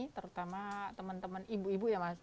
terutama teman teman ibu ibu ya mas